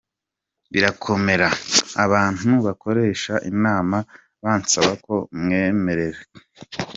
Birakomera abantu bakoresha inama bansaba ko mwemerera.